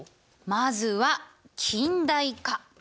まずは近代化！